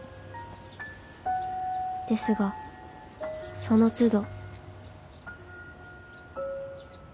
［ですがその都度］